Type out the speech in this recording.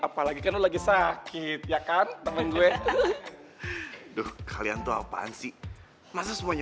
apalagi karena lagi sakit ya kan temen gue tuh kalian tuh apaan sih masa semuanya